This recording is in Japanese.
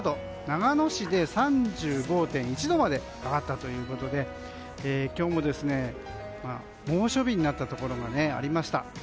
長野市で３５．１度まで上がったということで今日も猛暑日になったところがありました。